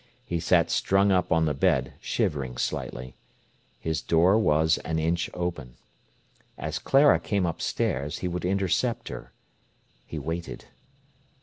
He sat strung up on the bed, shivering slightly. His door was an inch open. As Clara came upstairs, he would intercept her. He waited.